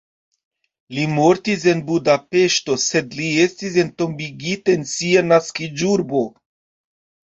Li mortis en Budapeŝto sed li estis entombigita en sia naskiĝurbo.